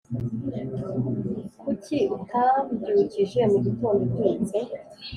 Kuki utambyukije mugitondo ubyutse